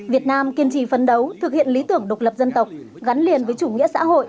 việt nam kiên trì phấn đấu thực hiện lý tưởng độc lập dân tộc gắn liền với chủ nghĩa xã hội